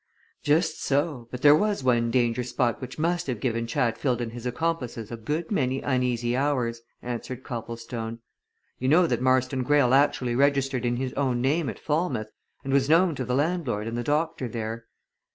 "Just so but there was one danger spot which must have given Chatfield and his accomplices a good many uneasy hours," answered Copplestone. "You know that Marston Greyle actually registered in his own name at Falmouth and was known to the land lord and the doctor there."